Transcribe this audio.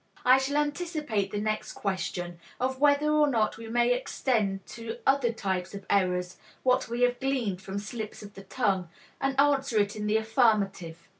I shall anticipate the next question, of whether or not we may extend to other types of errors what we have gleaned from slips of the tongue, and answer it in the affirmative.